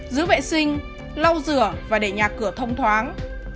giữ vệ sinh lau rửa và để nhà cửa thông thoáng